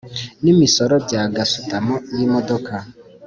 n imisoro bya gasutamo y imodoka